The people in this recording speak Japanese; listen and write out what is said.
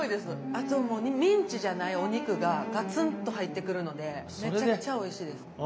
あともうミンチじゃないお肉がガツンと入ってくるのでめちゃくちゃおいしいです。